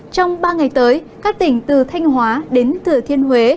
trong ba ngày tới các tỉnh từ thanh hóa đến thừa thiên huế